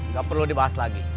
gak perlu dibahas lagi